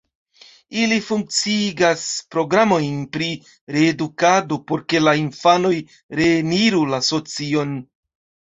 Ili funkciigas programojn pri reedukado, por ke la infanoj reeniru la socion.